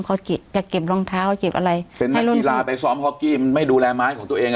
เขาจิบจะเก็บรองเท้าเก็บอะไรเป็นนักกีฬาไปซ้อมฮอกกี้มันไม่ดูแลไม้ของตัวเองอ่ะ